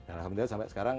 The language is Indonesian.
alhamdulillah sampai sekarang